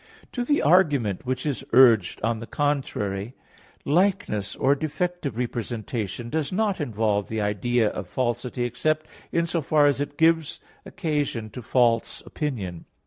To the argument which is urged on the contrary, likeness or defective representation does not involve the idea of falsity except in so far as it gives occasion to false opinion.